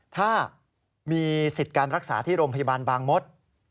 ถ้ามีสิทธิ์การรักษาที่โรงพยาบาลบางมศ